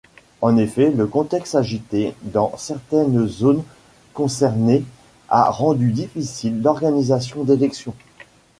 En effet, le contexte agité dans certaines zones concernées a rendu difficile l'organisation d’élections.